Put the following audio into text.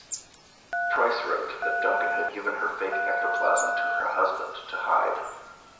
Price wrote that Duncan had given her fake ectoplasm to her husband to hide.